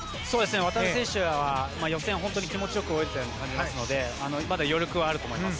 渡辺選手は予選、本当に気持ち良く泳いでいたように感じますのでまだ余力はあると思います。